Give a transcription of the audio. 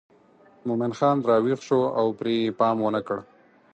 مومن خان راویښ شو او پرې یې پام ونه کړ.